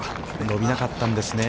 伸びなかったんですね。